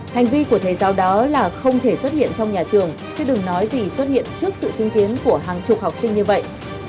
hành vi của thầy giáo đó là không thể xuất hiện trong nhà trường chứ đừng nói gì xuất hiện trước sự chứng kiến của hàng chục học sinh như vậy